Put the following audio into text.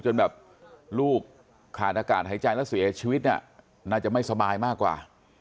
จนแบบลูกขาดอากาศหายใจแล้วเสียชีวิตน่าจะไม่สบายมากกว่า